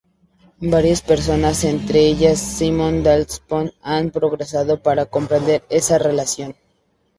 Varias personas, entre ellas Simon Donaldson, han progresado para comprender esa relación.